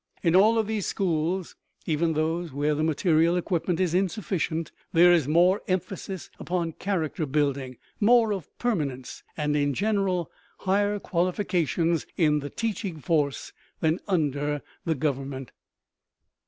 In all these schools, even those where the material equipment is insufficient, there is more emphasis upon character building, more of permanence and in general higher qualifications in the teaching force than under Government.